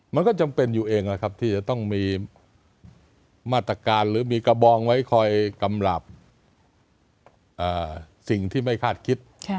มันก็จำเป็นอยู่เองนะครับที่จะต้องมีมาตรการหรือมีกระบองไว้คอยกำหรับสิ่งที่ไม่คาดคิด